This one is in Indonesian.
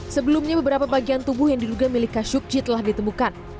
sebelumnya beberapa bagian tubuh yang diduga milik khashoggi telah ditemukan